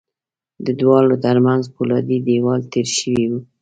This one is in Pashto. د دواړو ترمنځ پولادي دېوال تېر شوی و